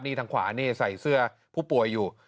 นี่ทางขวานี่ใส่เสื้อผู้ป่วยอยู่